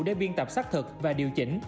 để biên tập xác thực và điều chỉnh